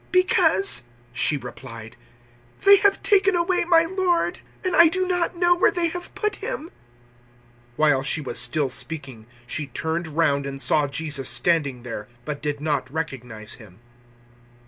"Because," she replied, "they have taken away my Lord, and I do not know where they have put him." 020:014 While she was speaking, she turned round and saw Jesus standing there, but did not recognize Him.